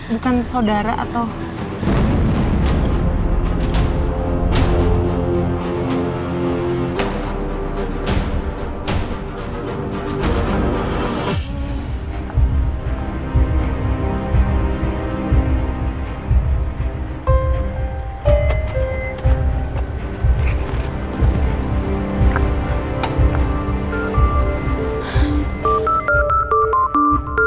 bukan saudara atau